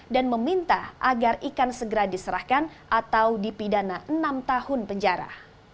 dan meminta agar ikan segera diserahkan atau dipidana enam tahun penjara